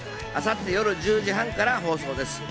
明後日夜１０時半から放送です。